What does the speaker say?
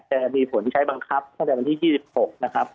จะมีผลใช้บังคับตั้งแต่วันที่๒๖นะครับ